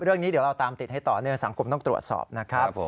เรื่องนี้เดี๋ยวเราตามติดให้ต่อเนื่องสังคมต้องตรวจสอบนะครับ